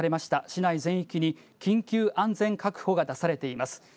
市内全域に緊急安全確保が出されています。